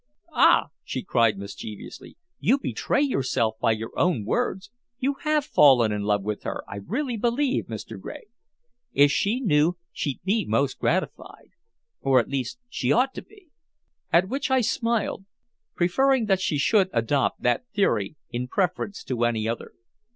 "Ah!" she cried mischievously. "You betray yourself by your own words. You have fallen in love with her, I really believe, Mr. Gregg. If she knew, she'd be most gratified or at least, she ought to be." At which I smiled, preferring that she should adopt that theory in preference to any other.